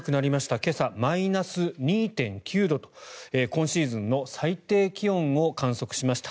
今朝、マイナス２．９度と今シーズンの最低気温を観測しました。